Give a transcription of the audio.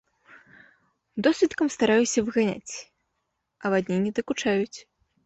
Досвіткам стараюся выганяць, авадні не дакучаюць.